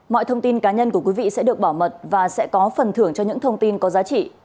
mọi thông tin cá nhân của quý vị sẽ được bảo mật và sẽ có phần thưởng cho những thông tin có giá trị